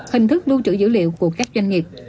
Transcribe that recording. hình thức lưu trữ dữ liệu của các doanh nghiệp